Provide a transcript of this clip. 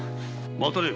待たれよ。